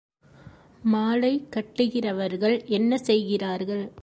மாலை கட்டுகிறவர்கள் என்ன செய்கிறார்கள்?